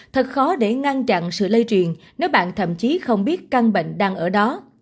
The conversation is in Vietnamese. thật khó để ngăn chặn sự lây truyền nếu bạn thậm chí không biết căn bệnh đang ở đó